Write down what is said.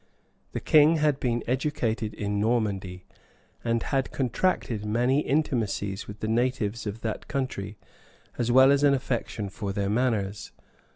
The king had been educated in Normandy, and had contracted many intimacies with the natives of that country, as well as an affection for their manners.